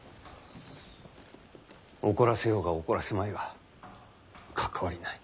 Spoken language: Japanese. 怒らせようが怒らせまいが関わりない。